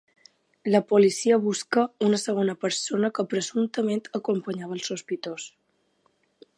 La policia busca una segona persona que presumptament acompanyava el sospitós.